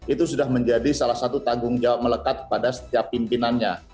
itu sudah menjadi salah satu tanggung jawab melekat pada setiap pimpinannya